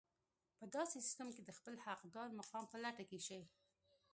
په داسې سيستم کې د خپل حقدار مقام په لټه کې شئ.